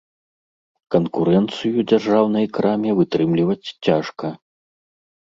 Канкурэнцыю дзяржаўнай краме вытрымліваць цяжка.